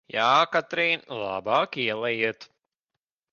Jā, Katrīn, labāk ielejiet!